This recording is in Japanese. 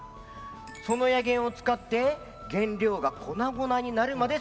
その薬研を使って原料が粉々になるまですりつぶす。